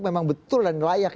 memang betul dan layak